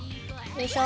よいしょ。